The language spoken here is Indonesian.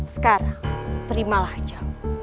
sekarang terimalah aja